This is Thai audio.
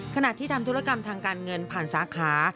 ขณะที่ทำธุรกรรมทางการเงินผ่านสาขา